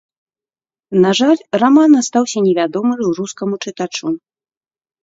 На жаль, раман астаўся невядомы рускаму чытачу.